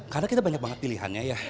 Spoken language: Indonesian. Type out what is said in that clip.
karena kita banyak banget pilihannya ya